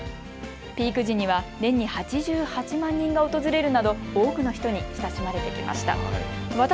ピーク時には年に８８万人が訪れるなど、多くの人に親しまれてきました。